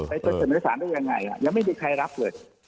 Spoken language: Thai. ไปเสนอสารได้ยังไงยังไม่มีใครรับเลย